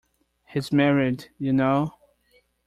He's married, you know.